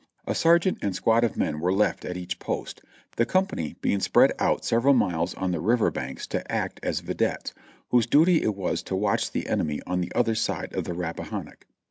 A sergeant and squad of men were left at each post, the company being spread out several miles on the river banks to act as videttes, whose duty it was to watch the enemy on the other side of the Rappa hannock.